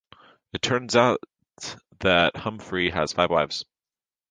It turns out that Humfrey has five wives.